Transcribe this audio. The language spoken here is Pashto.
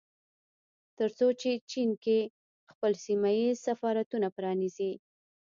ترڅو په چين کې خپل سيمه ييز سفارتونه پرانيزي